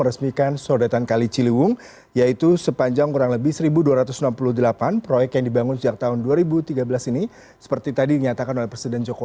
ligat kwas pintu air